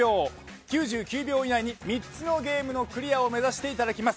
９９秒以内に３つのゲームクリアを目指していただきます。